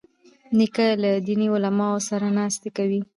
نیکه له دیني علماوو سره ناستې کوي.